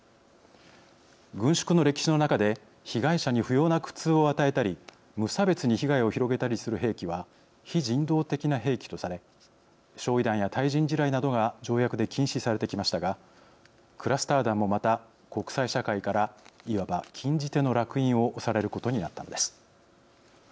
軍縮の歴史の中で被害者に不要な苦痛を与えたり無差別に被害を広げたりする兵器は非人道的な兵器とされ焼い弾や対人地雷などが条約で禁止されてきましたがクラスター弾もまた国際社会からいわば禁じ手のらく印を押されることになったのです。